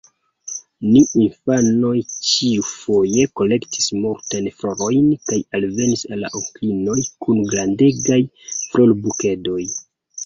Ni infanoj ĉiufoje kolektis multajn florojn kaj alvenis al la onklinoj kun grandegaj florbukedoj.